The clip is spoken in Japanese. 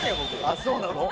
ああそうなの？